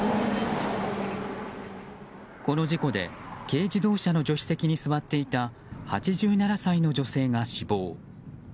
この事故で、軽自動車の助手席に座っていた８７歳の女性が死亡。